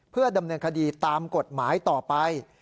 เพื่อดำเนินคดีตามกฎหมายต่อไป